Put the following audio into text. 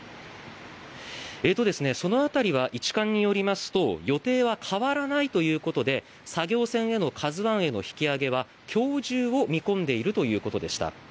その辺りは一管によりますと予定は変わらないということで作業船への「ＫＡＺＵ１」への引き揚げは今日中を見込んでいるということでした。